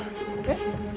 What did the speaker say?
えっ？